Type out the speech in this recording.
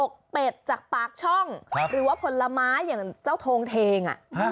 เป็ดจากปากช่องหรือว่าผลไม้อย่างเจ้าโทงเทง